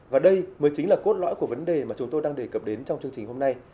và đây mới chính là cốt lõi của vấn đề mà chúng tôi đang đề cập đến trong chương trình hôm nay